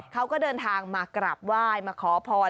เขาก็เดินทางมากราบไหว้มาขอพร